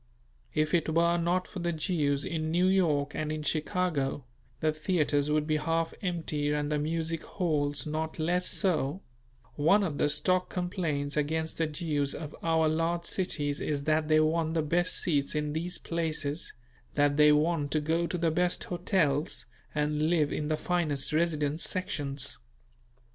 If it were not for the Jews in New York and in Chicago, the theatres would be half empty and the music halls not less so; one of the stock complaints against the Jews of our large cities is that they want the best seats in these places, that they want to go to the best hotels and live in the finest residence sections.